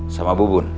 sama bu bun